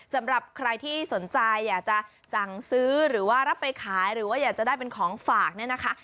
สำหรับใครที่สนใจอยากจะสั่งซื้อหรือว่ารับไปขายหรือว่าอยากจะได้เป็นของฝากเนี่ยนะคะ